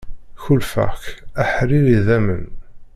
Kullfeɣ-ak aḥrir idamen.